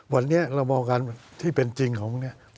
วันนี้เรามองกันที่เป็นจริงของมันเนี่ย